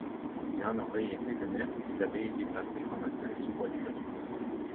Il en aurait été de même s'ils avaient été placés en nacelles sous voilure.